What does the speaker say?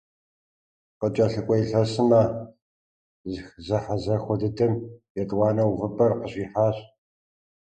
Къыкӏэлъыкӏуэ илъэсым а зэхьэзэхуэ дыдэм етӏуанэ увыпӏэр къыщихьащ.